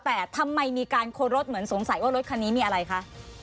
แต่ทำไมมีการโคนรถเหมือนสงสัยว่ารถคันนี้มีอะไรคะ